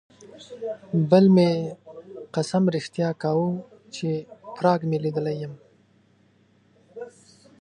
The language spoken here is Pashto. بل مې قسم رښتیا کاوه چې پراګ مې لیدلی یم.